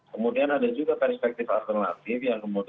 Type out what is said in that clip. kemudian ada juga perspektif alternatif yang kemudian